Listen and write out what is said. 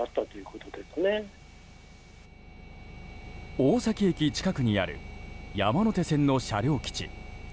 大崎駅近くにある山手線の車両基地。